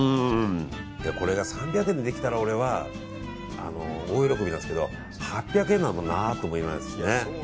これが３００円でできたら俺は大喜びなんですけど８００円だもんなって思いながら。